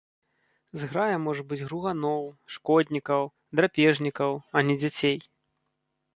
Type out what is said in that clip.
Зграя можа быць груганоў, шкоднікаў, драпежнікаў, а не дзяцей.